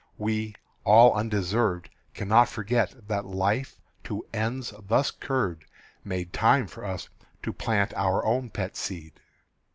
We, all undeserved, Cannot forget that life to ends thus curved Made time for us to plant our own pet seed.